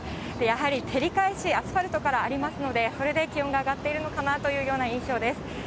やはり照り返し、アスファルトからありますので、それで気温が上がってるのかなというような印象です。